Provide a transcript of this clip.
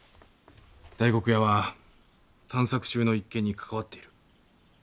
大黒屋は探索中の一件に関わっている。